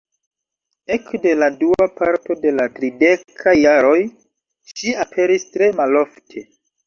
Ekde la dua parto de la tridekaj jaroj ŝi aperis tre malofte.